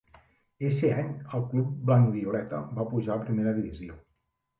Eixe any el club blanc-i-violeta va pujar a Primera Divisió.